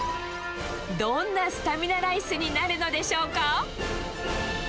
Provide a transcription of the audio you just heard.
どんなスタミナライスになるのでしょうか。